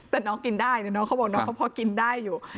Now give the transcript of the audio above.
แต่น้องกินได้เดี๋ยวน้องเขาบอกน้องเขาพอกินได้อยู่